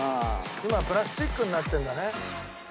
今はプラスチックになってるんだね。